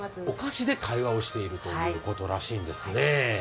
お菓子で会話をしているということらしいんですね。